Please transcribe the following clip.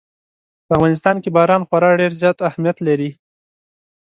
په افغانستان کې باران خورا ډېر زیات اهمیت لري.